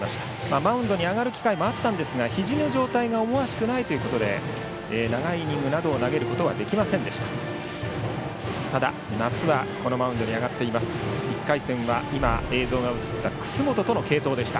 マウンドに上がる機会もあったんですがひじの状態が思わしくないということで長いイニングなどは投げることができませんでした。